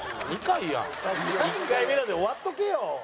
１回目ので終わっとけよ！